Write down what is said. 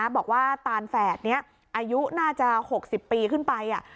ตานแฝดนี้อายุน่าจะ๖๐ปีขึ้นไป